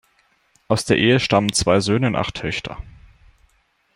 Aus der Ehe stammen zwei Söhne und acht Töchter.